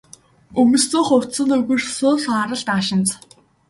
Өмссөн хувцас нь өгөршсөн саарал даашинз.